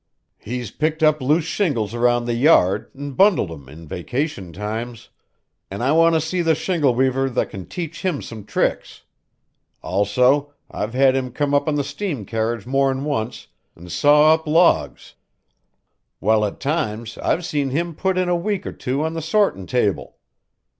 He's picked up loose shingles around the yard an' bundled 'em in vacation times, an' I want to see the shingle weaver that can teach him some tricks. Also, I've had him come up on the steam carriage more'n once an' saw up logs, while at times I've seen him put in a week or two on the sortin' table.